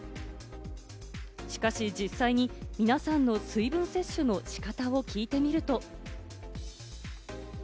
しかし実際に皆さんの水分摂取の仕方を聞いてみると。